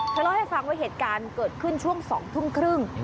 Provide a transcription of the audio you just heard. เล่าให้ฟังว่าเหตุการณ์เกิดขึ้นช่วง๒ทุ่มครึ่ง